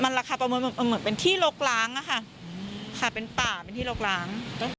มันราคาประเมินเหมือนเป็นที่โรคร้างเป็นป่าเป็นที่โรคร้าง